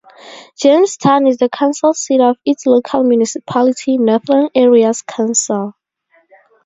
Jamestown is the council seat of its local municipality, Northern Areas Council.